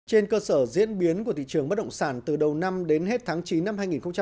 trên cơ sở diễn biến của thị trường bất động sản từ đầu năm đến hết tháng chín năm hai nghìn hai mươi